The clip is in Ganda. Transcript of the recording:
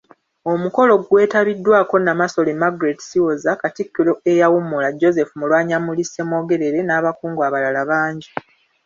Omukolo gwetabiddwako Namasole Margaret Siwoza, Katikkiro eyawummula Joseph Mulwannyammuli Ssemwogerere, n'abakungu abalala bangi.